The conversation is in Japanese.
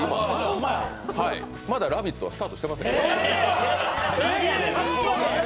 まだ「ラヴィット！」はスタートしてません。